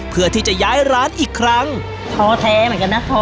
เพื่อที่จะย้ายร้านอีกครั้งท้อแท้เหมือนกันนะ